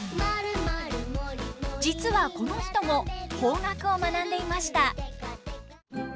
実はこの人も邦楽を学んでいました。